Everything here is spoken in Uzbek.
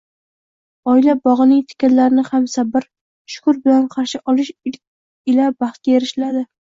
Oila bog‘ining tikanlarini ham sabr, shukr bilan qarshi olish ila baxtga erishiladi.